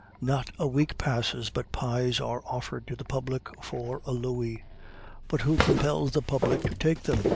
Not a week passes but pies are offered to the public for a louis. But who compels the public to take them?